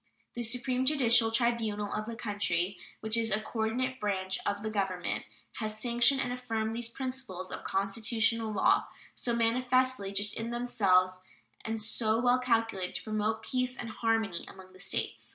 The supreme judicial tribunal of the country, which is a coordinate branch of the Government, has sanctioned and affirmed these principles of constitutional law, so manifestly just in themselves and so well calculated to promote peace and harmony among the States.